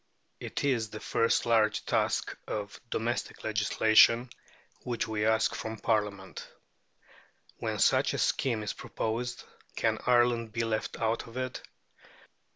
It is the first large task of domestic legislation which we ask from Parliament. When such a scheme is proposed, can Ireland be left out of it?